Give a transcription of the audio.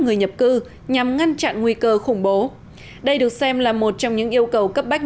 người nhập cư nhằm ngăn chặn nguy cơ khủng bố đây được xem là một trong những yêu cầu cấp bách